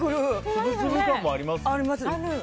粒々感もあります。